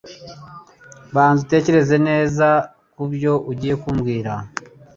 banza utekereze neza kubyo ugiye kumbwira